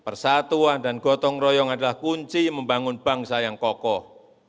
persatuan dan gotong royong adalah kunci membangun bangsa yang kokoh